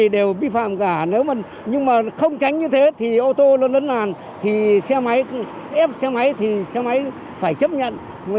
xe máy thì xe máy phải chấp nhận